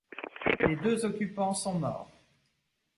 Les deux occupants sont morts.